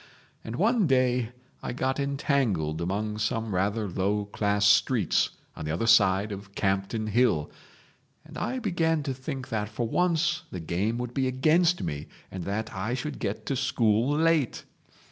And one day I got entangled among some rather low class streets on the other side of Campden Hill, and I began to think that for once the game would be against me and that I should get to school late.